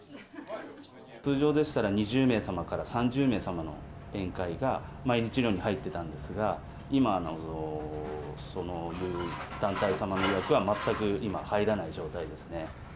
通常でしたら２０名様から３０名様の宴会が、毎日のように入ってたんですが、今はそういう団体様の予約は全く今、入らない状態ですね。